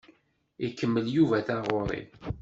Ikemmel Yuba taɣuṛi.